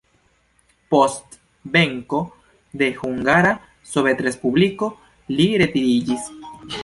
Post venko de Hungara Sovetrespubliko li retiriĝis.